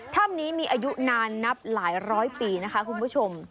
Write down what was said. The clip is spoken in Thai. ถ้ำนี้มีอายุนานนับหลายร้อยปีนะคะคุณผู้ชม